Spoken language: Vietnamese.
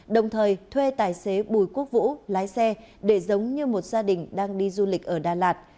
đồng thời thuê tài xế bùi quốc vũ lái xe để giống như một gia đình đang đi du lịch ở đà lạt